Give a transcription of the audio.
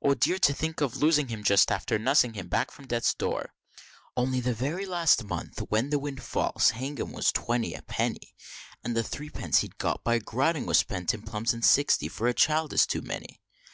O dear! to think of losing him just after nussing him back from death's door! Only the very last month when the windfalls, hang 'em, was at twenty a penny! And the threepence he'd got by grottoing was spent in plums, and sixty for a child is too many.